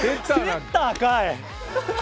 セッターかい！